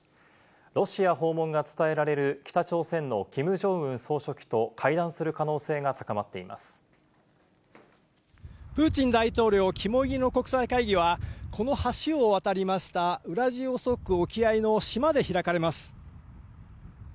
ロシア訪問が伝えられる北朝鮮のキム・ジョンウン総書記と、プーチン大統領肝煎りの国際会議は、この橋を渡りましたウラジオストク沖合の島で開かれます。